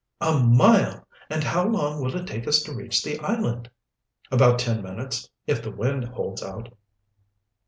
"A mile! And how long will it take us to reach the island?" "About ten minutes, if the wind holds out."